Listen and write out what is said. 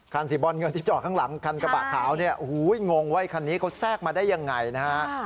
สีบอลเงินที่จอดข้างหลังคันกระบะขาวเนี่ยโอ้โหงงว่าคันนี้เขาแทรกมาได้ยังไงนะฮะ